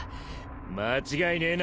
間違いねぇな。